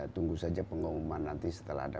tunggu saja pengumuman nanti setelah ada